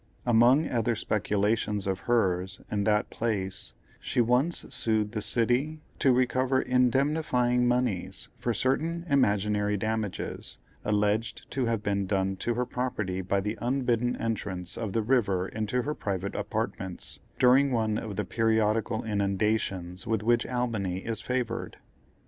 Among other speculations of hers, in that place, she once sued the city to recover indemnifying moneys for certain imaginary damages, alleged to have been done to her property by the unbidden entrance of the river into her private apartments, during one of the periodical inundations with which Albany is favored.